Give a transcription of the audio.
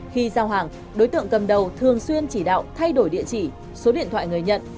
khi giao hàng đối tượng cầm đầu thường xuyên chỉ đạo thay đổi địa chỉ số điện thoại người nhận